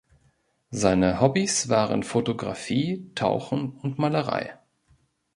Seine Hobbys waren Fotografie, Tauchen und Malerei.